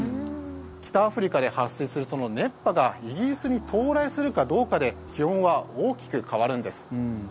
北アフリカで発生する熱波がイギリスに到来するかどうかで気温は大きく変わるんです。